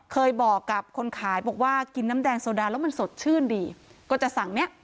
เคยบอกกับคนขายบอกว่ากินน้ำแดงโซดาแล้วมันสดชื่นดีก็จะสั่งเนี้ย